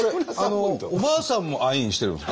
おばあさんもアイーンしてるんですか？